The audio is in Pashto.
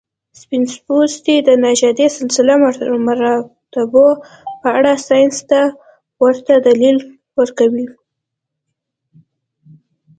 سپین پوستي د نژادي سلسله مراتبو په اړه ساینس ته ورته دلیل ورکوي.